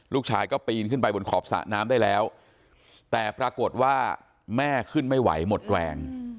ลูกชายก็ปีนขึ้นไปบนขอบสระน้ำได้แล้วแต่ปรากฏว่าแม่ขึ้นไม่ไหวหมดแรง